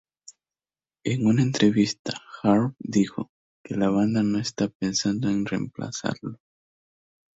En una entrevista Harb dijo que la banda no está pensando en reemplazarlo.